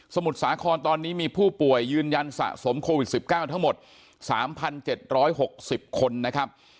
มุทรสาครตอนนี้มีผู้ป่วยยืนยันสะสมโควิด๑๙ทั้งหมด๓๗๖๐คนนะครับ